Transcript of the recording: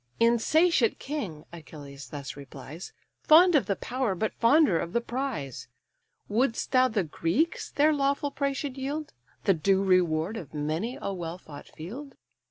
"Insatiate king (Achilles thus replies), Fond of the power, but fonder of the prize! Would'st thou the Greeks their lawful prey should yield, The due reward of many a well fought field?